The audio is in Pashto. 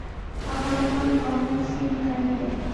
افغانستان په آمو سیند غني دی.